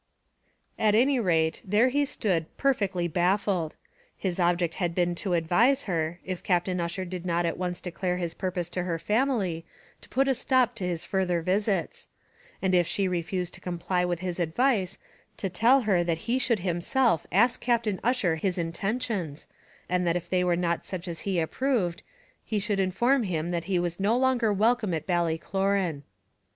At any rate, there he stood perfectly baffled. His object had been to advise her, if Captain Ussher did not at once declare his purpose to her family, to put a stop to his further visits; and if she refused to comply with his advice, to tell her that he should himself ask Captain Ussher his intentions, and that if they were not such as he approved, he should inform him that he was no longer welcome at Ballycloran.